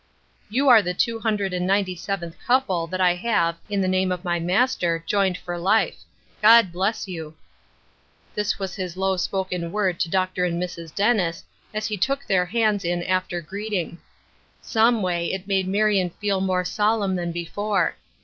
" You are the two hundred and ninety seventh couple that I have, in the name of my Master, ioined for life. God bless you." This was his low spoken word to Dr. and Mrs. Dennis, as he took their hands in after greeting. Someway, it made Marion feel more solemn than before.